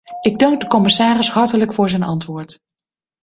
Ik dank de commissaris hartelijk voor zijn antwoord.